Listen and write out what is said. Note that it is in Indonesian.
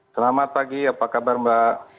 selamat pagi apa kabar mbak